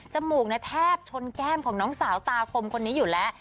มูกแทบชนแก้มของน้องสาวตาคมคนนี้อยู่แล้ว